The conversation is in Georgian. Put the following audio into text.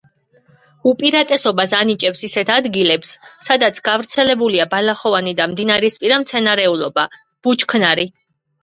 უპირატესობას ანიჭებს ისეთ ადგილებს, სადაც გავრცელებულია ბალახოვანი და მდინარისპირა მცენარეულობა, ბუჩქნარი.